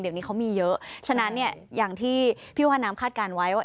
เดี๋ยวนี้เขามีเยอะฉะนั้นเนี่ยอย่างที่พี่ว่าน้ำคาดการณ์ไว้ว่า